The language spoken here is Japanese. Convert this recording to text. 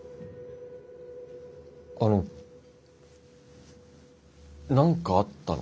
あの何かあったの？